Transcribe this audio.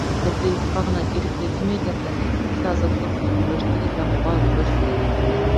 Һеҙҙе юҡҡа ғына Ирекле тимәйҙәр ҙәһә! һеҙ азатлыҡ өсөн көрәштегеҙ һәм уға өлгәштегеҙ.